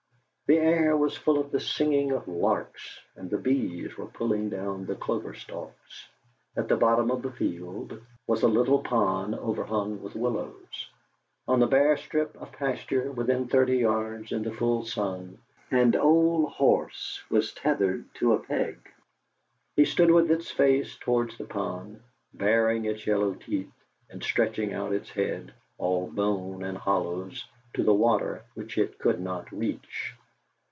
The air was full of the singing of larks, and the bees were pulling down the clover stalks. At the bottom of the field was a little pond overhung with willows. On a bare strip of pasture, within thirty yards, in the full sun, an old horse was tethered to a peg. It stood with its face towards the pond, baring its yellow teeth, and stretching out its head, all bone and hollows, to the water which it could not reach.